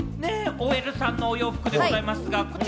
ＯＬさんのお洋服でございますが。